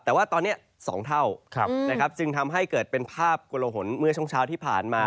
แต่ว่าตอนนี้๒เท่านะครับจึงทำให้เกิดเป็นภาพกลหนเมื่อช่วงเช้าที่ผ่านมา